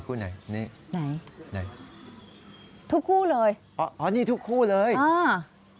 คู่ไหนนี่ไหนทุกคู่เลยอ่านี่ทุกคู่เลยอ่า